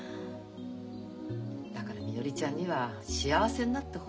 だからみのりちゃんには幸せになってほしいの。